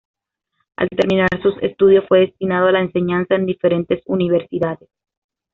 Al terminar sus estudios fue destinado a la enseñanza en diferentes universidades.